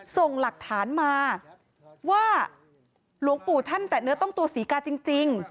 ส่งหลักฐานมาว่าหลวงปู่ท่านแตะเนื้อต้องตัวศรีกาจริง